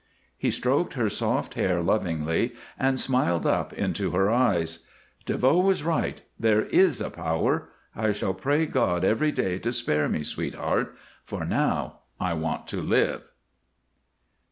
He stroked her soft hair lovingly and smiled up into her eyes. "DeVoe was right, there is a Power. I shall pray God every day to spare me, sweetheart, for now I want to live."